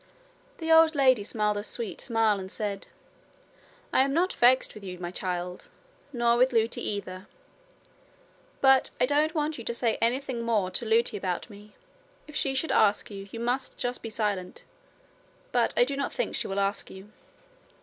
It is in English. The old lady smiled a sweet smile and said: 'I'm not vexed with you, my child nor with Lootie either. But I don't want you to say anything more to Lootie about me. If she should ask you, you must just be silent. But I do not think she will ask you.'